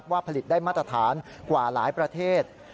ผลิตได้มาตรฐานกว่าหลายประเทศ